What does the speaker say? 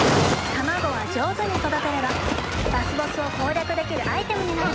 卵は上手に育てればラスボスを攻略できるアイテムになるかもしれません。